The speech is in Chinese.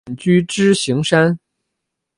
隐居支硎山。